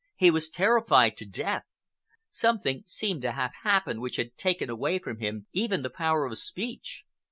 He was terrified to death. Something seemed to have happened which had taken away from him even the power of speech.